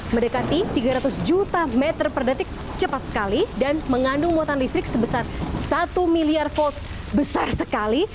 mendekati tiga ratus juta meter per detik cepat sekali dan mengandung muatan listrik sebesar satu miliar voltz besar sekali